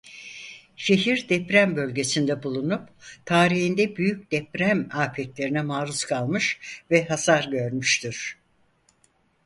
Şehir deprem bölgesinde bulunup tarihinde büyük deprem afetlerine maruz kalmış ve hasar görmüştür.